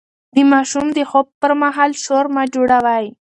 د ماشوم د خوب پر مهال شور مه جوړوئ.